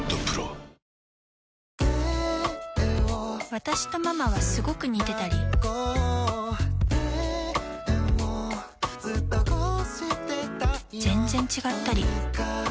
私とママはスゴく似てたり全然違ったりあ゛ーーー！